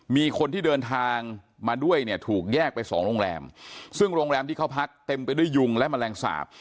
มีคนที่เดินทางมาด้วยเนี่ยถูกแยกไปสองโรงแรมซึ่งโรงแรมที่เขาพักเต็มไปด้วยยุงและแมลงสาป